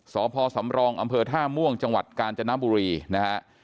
สพสำรองอท่าม่วงจกาญจนบุรีนะฮะ